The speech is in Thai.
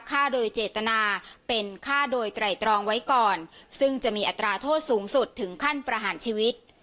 ฆ่าโดยเจตนาเป็นฆ่าโดยไตรตรองไว้ก่อนซึ่งจะมีอัตราโทษสูงสุดถึงขั้นประหารชีวิต